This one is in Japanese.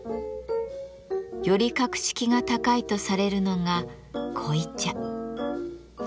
より格式が高いとされるのが濃茶。